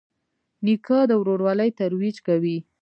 نیکه د ورورولۍ ترویج کوي.